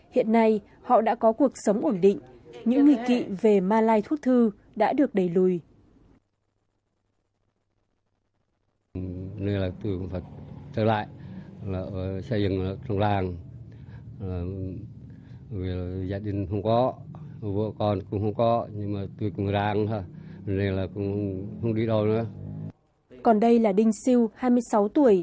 hiện nay họ đã có cuộc sống ổn định những nghi kỵ về malay thuốc thư đã được đẩy lùi